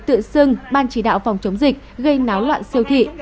tự xưng ban chỉ đạo phòng chống dịch gây náo loạn siêu thị